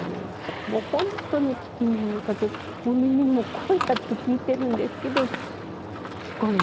もう本当に聞き耳を立てもう耳もこうやって聞いてるんですけど聞こえない。